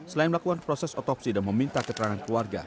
selain melakukan proses otopsi dan meminta keterangan keluarga